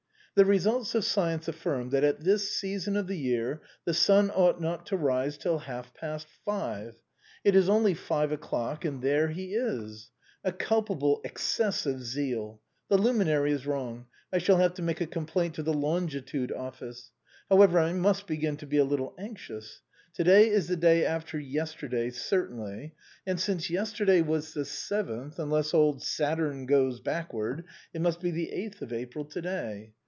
The results of science affirm that at this season of the year the sun ought not to rise till half past five : it is only five o'clock, and there he is ! A culpable excess of zeal ! The luminary is wrong ; I shall have to make a complaint at the longitude office. However, I must begin to be a little anxious. To day is the day after yesterday, certainly; and since yesterday was the seventh, unless old Saturn goes backward, it must be the eighth of April to day.